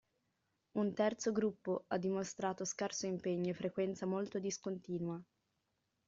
Un terzo gruppo ha dimostrato scarso impegno e frequenza molto discontinua.